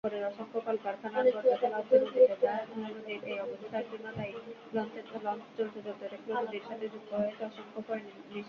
অনিশ্চয়তার মধ্যেও সিরিজটি আয়োজনের লক্ষ্যে দুই দেশের ক্রিকেট বোর্ডের মধ্যে আলাপ-আলোচনা হয়েছে।